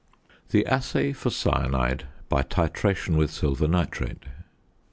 THE ASSAY FOR CYANIDE BY TITRATION WITH SILVER NITRATE.